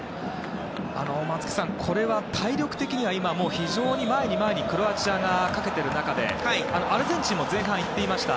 松木さん、これは体力的には今もう、非常に前に前にクロアチアがかけている中でアルゼンチンも前半行っていました。